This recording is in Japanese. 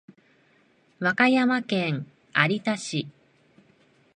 和歌山県有田市